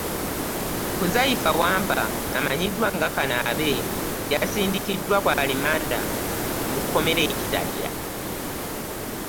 Huzaifa Wampa amanyiddwa nga Kanaabe yasindikiddwa ku alimanda mu kkomera e Kitalya